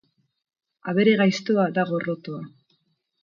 Abere gaiztoa da gorrotoa.